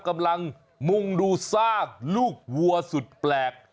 กำลังมุ่งดูซากลูกวัวสุดแปลก